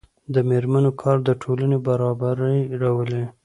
د میرمنو کار د ټولنې برابري راولي.